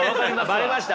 バレました？